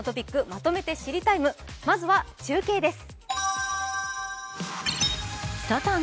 まずは中継です。